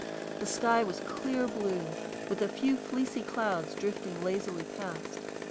The sky was clear blue, with a few fleecy clouds drifting lazily past.